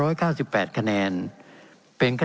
เป็นของสมาชิกสภาพภูมิแทนรัฐรนดร